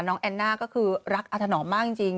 แอนน่าก็คือรักอาถนอมมากจริง